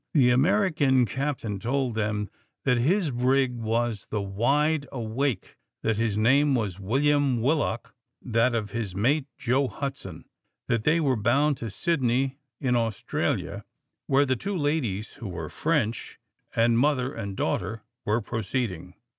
The American captain told them that his brig was the Wide Awake, that his name was William Willock, that of his mate, Joe Hudson; that they were bound to Sydney in Australia, where the two ladies, who were French, and mother and daughter, were proceeding.